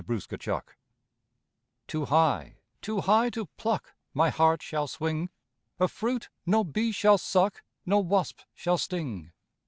VALENTINE Too high, too high to pluck My heart shall swing. A fruit no bee shall suck, No wasp shall sting.